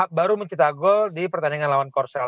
baru mencetak gol di pertandingan lawan korsel